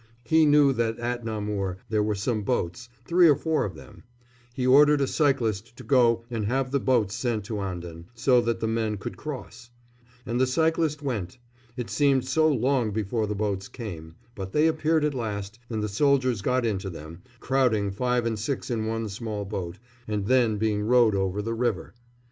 He knew that at Namur there were some boats, three or four of them. He ordered a cyclist to go and have the boats sent to Anden, so that the men could cross. And the cyclist went. It seemed so long before the boats came; but they appeared at last, and the soldiers got into them, crowding five and six in one small boat, and then being rowed over the river.